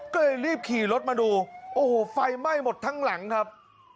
ก็เลยรีบขี่รถมาดูโอ้โหไฟไหม้หมดทั้งหลังครับ